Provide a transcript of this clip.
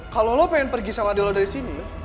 kalau lo pengen pergi sama di lo dari sini